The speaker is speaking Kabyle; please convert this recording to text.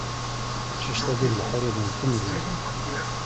Taqcict-agi d leḥrir n temdint.